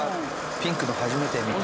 ピンクの初めて見た。